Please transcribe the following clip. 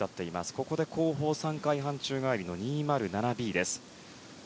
ここで後半３回半宙返りの２０７Ｂです。